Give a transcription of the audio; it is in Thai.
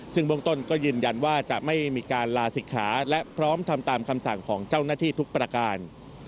ซึ่งเบื้องต้นก็ยืนยันว่าจะไม่มีการลาศิกขาและพร้อมทำตามคำสั่งของเจ้าหน้าที่ทุกประการ